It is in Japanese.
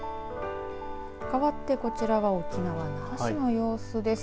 かわって、こちらは沖縄那覇市の様子です。